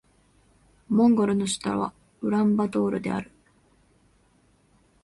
モンゴルの首都はウランバートルである